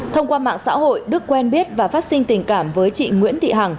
thông qua mạng xã hội đức quen biết và phát sinh tình cảm với chị nguyễn thị hằng